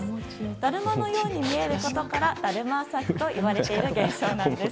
だるまのように見えることからだるま朝日といわれている現象なんです。